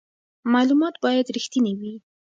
معلومات باید رښتیني وي.